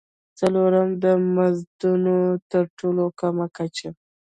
څلورم: د مزدونو تر ټولو کمه کچه.